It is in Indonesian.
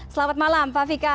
selamat malam pak fikar